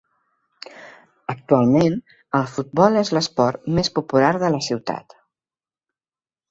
Actualment, el futbol és l'esport més popular de la ciutat.